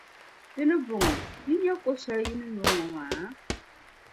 Di ni bɔŋɔ, yi nya ko’ shεli yi ni nyuri ŋɔ maa?